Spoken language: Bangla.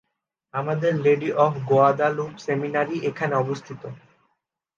আমাদের লেডি অফ গুয়াদালুপ সেমিনারি এখানে অবস্থিত।